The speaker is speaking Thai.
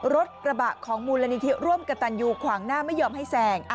รถกระบะของมูลนิธิร่วมกับตันยูขวางหน้าไม่ยอมให้แซง